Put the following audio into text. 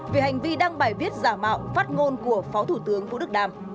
vì hành vi đăng bài viết về tình hình dịch bệnh covid một mươi chín